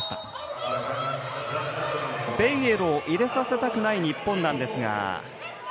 ベイエルを入れさせたくない日本なんですが。